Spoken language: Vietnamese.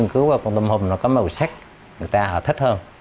nếu không thì sẽ sắc